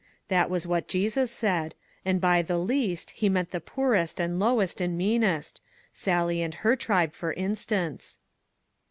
That was what Jesus said ; and by ' the least ' he meant the poorest and lowest and meanest Sally and her tribe, for instance."